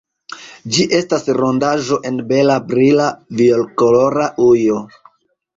Ĝi estas rondaĵo en bela brila violkolora ujo.